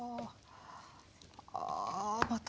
あまた